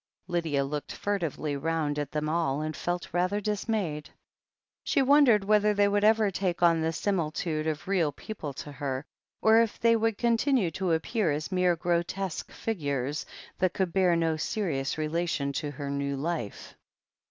Lydia looked furtively round at them all, and felt rather dismayed. She wondered whether they would ever take on the similitude of real people to her, or if they would con tinue to appear as mere grotesque figures that could bear no serious relation to her new life.